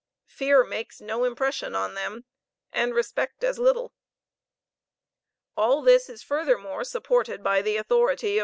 Fear makes no impression on them, and respect as little." All this is furthermore supported by the authority of M.